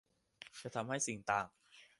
จะทำให้สิ่งต่าง